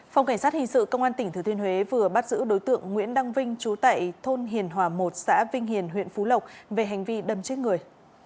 phòng cảnh sát hình sự công an tỉnh thứ thiên huế vừa bắt giữ đối tượng nguyễn đăng vinh trú tại thôn hiền hòa một xã vinh hiền huyện phú lộc về hành vi đâm chết người